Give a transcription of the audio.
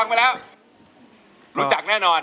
น้อยดูลายมอนมานี่ก่อน